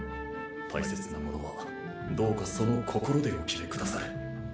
大切なものはどうかその心でお決めくだされ。